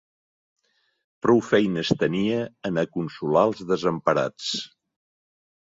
Prou feines tenia en aconsolar als desemparats